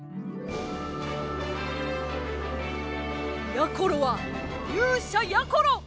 やころはゆうしゃやころ！